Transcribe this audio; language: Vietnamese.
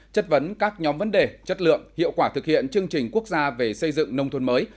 chất vấn các nhóm vấn đề chất lượng hiệu quả thực hiện chương trình quốc gia về xây dựng nông thôn mới